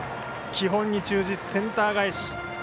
基本に忠実センター返し。